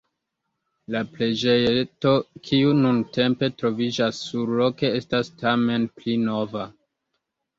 La preĝejeto kiu nuntempe troviĝas surloke estas tamen pli nova.